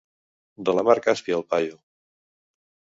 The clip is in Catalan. De la mar Càspia, el paio.